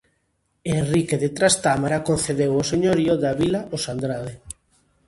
Henrique de Trastámara concedeu o señorío da vila aos Andrade.